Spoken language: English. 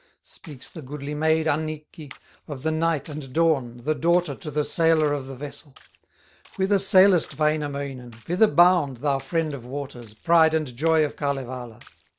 Speaks the goodly maid, Annikki, Of the Night and Dawn, the daughter, To the sailor of the vessel: "Whither sailest, Wainamoinen, Whither bound, thou friend of waters, Pride and joy of Kalevala?"